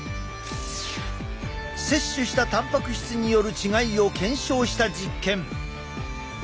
摂取したたんぱく質による違いを検証した実験。